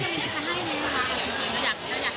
มันจะให้มันไหมครับ